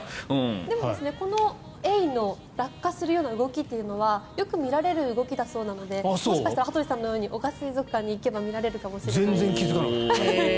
このエイの落下する動きというのはよく見られる動きだそうなのでもしかしたら羽鳥さんのように男鹿水族館ＧＡＯに行けば見られるかもしれないです。